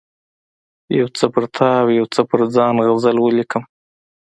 یو څه پر تا او یو څه پر ځان غزل ولیکم.